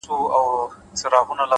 فکر د انسان داخلي نړۍ جوړوي,